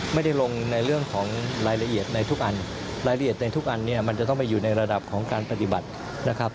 ไม่ได้ลงในเรื่องของรายละเอียดในทุกอันรายละเอียดในทุกอันเนี่ยมันจะต้องไปอยู่ในระดับของการปฏิบัตินะครับ